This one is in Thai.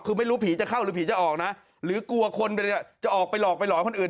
คือไม่รู้ผีจะเข้าหรือผีจะออกนะหรือกลัวคนจะออกไปหลอกไปหลอนคนอื่น